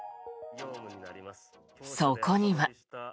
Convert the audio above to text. そこには。